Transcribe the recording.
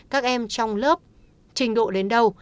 các em trong lớp trình độ đến đâu